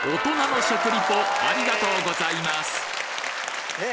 ありがとうございます！ねえ